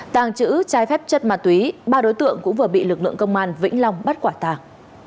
tàng trữ trái phép chất ma túy ba đối tượng cũng vừa bị lực lượng công an vĩnh long bắt quả tàng